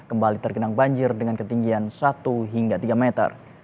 kembali tergenang banjir dengan ketinggian satu hingga tiga meter